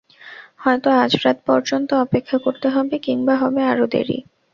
হয়তো আজ রাত পর্যন্ত অপেক্ষা করতে হবে, কিম্বা হবে আরো দেরি।